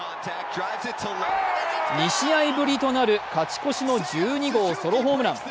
２試合ぶりとなる勝ち越しの１２号ソロホームラン。